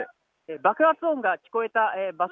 爆発音が聞こえた場所